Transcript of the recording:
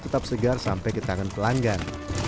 tetap segar sampai ke tangan pelanggan